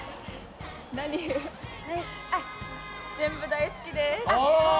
全部大好きです！